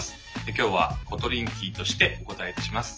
今日はコトリンキーとしてお答えいたします。